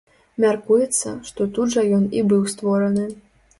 Мяркуецца, што тут жа ён і быў створаны.